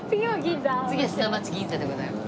次は砂町銀座でございます。